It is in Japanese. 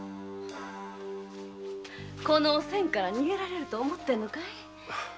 このおせんから逃げられると思ってるのかい。